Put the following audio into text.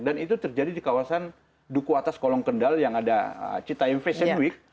dan itu terjadi di kawasan duku atas kolong kendal yang ada citaim fashion week